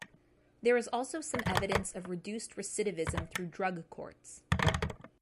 There is also some evidence of reduced recidivism through Drug courts.